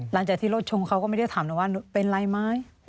หลังจากที่รถชมเขาก็ไม่ได้ถามเราว่าเป็นไรไหม